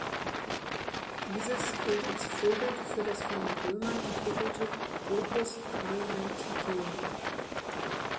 Dieses gilt als Vorbild für das von den Römern entwickelte "opus caementicium".